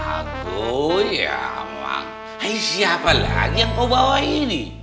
aku ya emang siapa lagi yang kau bawa ini